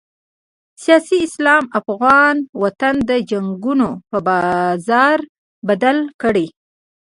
سیاسي اسلام افغان وطن د جنګونو په بازار بدل کړی.